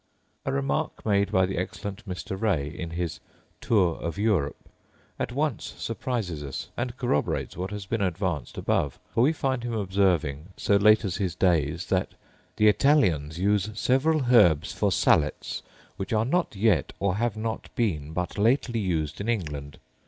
A remark made by the excellent Mr. Ray in his Tour of Europe at once surprises us, and corroborates what has been advanced above; for we find him observing, so late as his days, that 'the Italians use several herbs for sallets, which are not yet or have not been but lately used in England, viz.